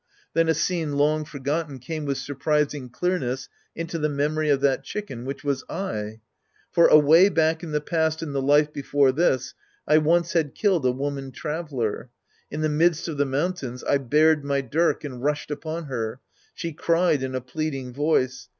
Then a scene long forgotten came with surprising clearness into the me moiy of that chicken, which was I. For away back in the past in the life before this, I once had killed a woman traveler. In the midst of the mountains, I bared my dirk and rushed upon her. She cried in a pleading voice.